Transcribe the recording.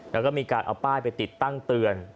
แล้วก็มีการเอาป้ายไปติดตั้งเตือน